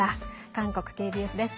韓国ＫＢＳです。